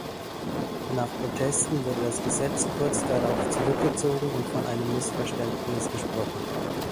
Nach Protesten wurde das Gesetz kurz darauf zurückgezogen und von einem Missverständnis gesprochen.